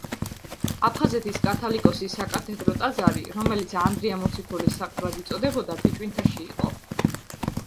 აფხაზეთის კათალიკოსის საკათედრო ტაძარი, რომელიც ანდრია მოციქულის საყდრად იწოდებოდა, ბიჭვინთაში იყო.